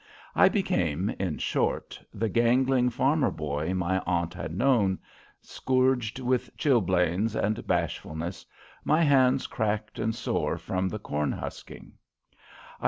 I became, in short, the gangling farmer boy my aunt had known, scourged with chilblains and bashfulness, my hands cracked and sore from the corn husking.